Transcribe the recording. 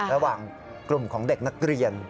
ระหว่างกลุ่มของเด็กนักเรียน